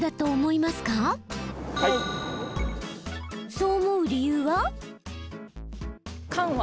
そう思う理由は？